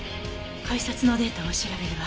改札のデータを調べるわ。